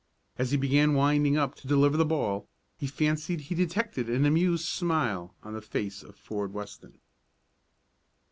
As he began winding up to deliver the ball he fancied he detected an amused smile on the face of Ford Weston.